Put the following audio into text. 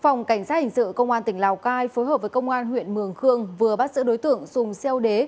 phòng cảnh sát hình sự công an tỉnh lào cai phối hợp với công an huyện mường khương vừa bắt giữ đối tượng sùng xeo đế